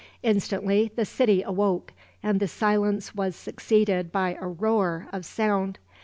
Instantly the city awoke, and the silence was succeeded by a roar of sound.